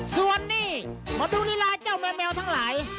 ส่วนนี้มาดูลีลาเจ้าแมวทั้งหลาย